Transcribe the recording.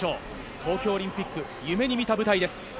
東京オリンピック夢に見た舞台です。